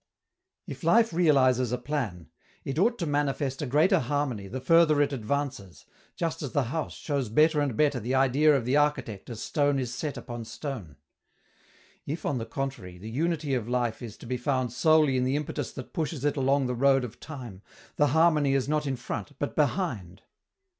If life realizes a plan, it ought to manifest a greater harmony the further it advances, just as the house shows better and better the idea of the architect as stone is set upon stone. If, on the contrary, the unity of life is to be found solely in the impetus that pushes it along the road of time, the harmony is not in front, but behind.